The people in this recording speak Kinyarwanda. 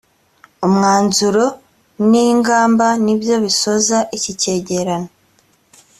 umwanzuro n ingamba nibyo bisoza iki cyegeran